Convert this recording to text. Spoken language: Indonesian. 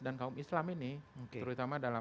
dan kaum islam ini terutama dalam